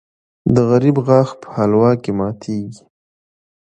د غریب غاښ په حلوا کې ماتېږي.